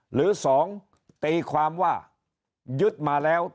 หรือ๒ตีความว่ายึดมาแล้ว